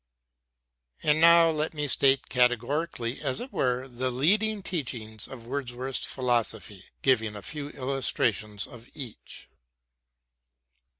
And now let me state categorically, as it were, the leading teachings of Wordsworth's philosophy, giving a few illustrations of each.